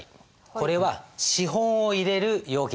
これは資本を入れる容器です。